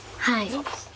そうです。